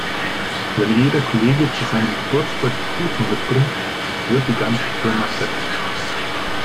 Wenn jeder Kollege zu seinem Geburtstag Kuchen mitbringt, wird die ganze Firma fett.